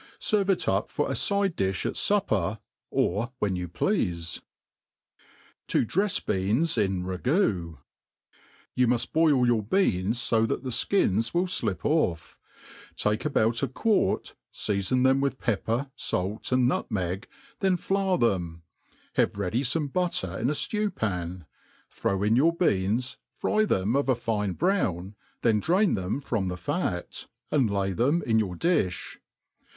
Serve it up for a fide diih at fupper, or whei^ you pleafe. ••» To drefs B^ans in Ragoo. YOU muft boil your beans fo that the ikins will flip oflf"* Take about a quart, feafon them with pepper, fait, and nut meg, then flour them; have ready feme butter in' a ftew pan, throw in your beans, fry them of a fine brown, then drain them from the fat, and Jay them in your difh.